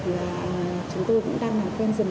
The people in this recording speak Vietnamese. và chúng tôi cũng đang làm quen dần